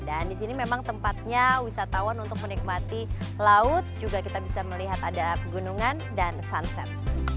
dan di sini memang tempatnya wisatawan untuk menikmati laut juga kita bisa melihat ada gunungan dan sunset